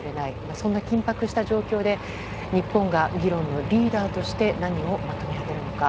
そんな緊迫した状況で日本が、議論のリーダーとして何をまとめ上げるのか。